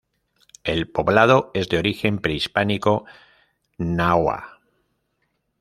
El poblado es de origen prehispánico náhua.